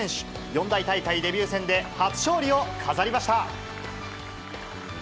四大大会デビュー戦で、初勝利を飾りました。